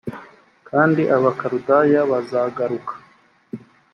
kandi abakaludaya bazagaruka